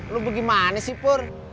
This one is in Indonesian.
lo bagaimana sih pur